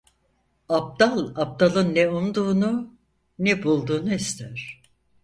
Abdal abdalın ne umduğunu, ne bulduğunu ister.